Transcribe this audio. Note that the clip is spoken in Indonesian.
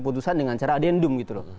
putusan dengan cara adendum gitu loh